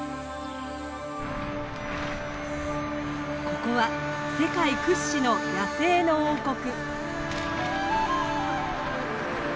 ここは世界屈指の「野生の王国」。